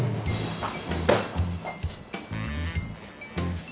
あっ！